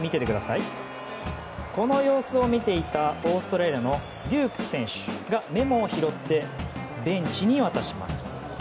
この様子を見ていたオーストラリアのデューク選手がメモを拾ってベンチに渡します。